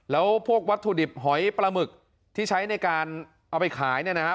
แล้วพวกวัตถุดิบหอยปลาหมึกที่ใช้ในการเอาไปขายเนี่ยนะครับ